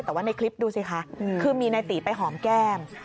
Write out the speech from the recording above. แต่ว่าในคลิปดูสิคะคือมีนายตีไปหอมแก้ม